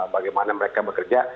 bagaimana mereka bekerja